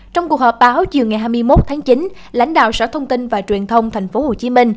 trong cuộc họp báo chiều ngày hai mươi một tháng chín lãnh đạo sở thông tin và truyền thông tp hcm